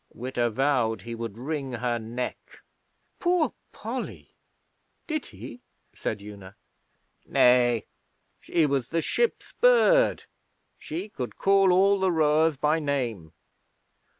Witta vowed he would wring her neck.' 'Poor Polly! Did he?' said Una. 'Nay. She was the ship's bird. She could call all the rowers by name....